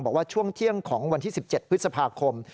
บอกว่าช่วงเที่ยงของวันที่๑๗พฤษภาคม